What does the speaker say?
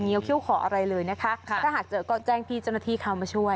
เดี๋ยวเขี้ยวข้ออะไรเลยนะค่ะใช่ถ้าหากเจอก็แจ้งพี่เจ้าหน้าที่เขามาช่วย